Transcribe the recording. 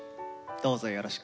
どうぞよろしく。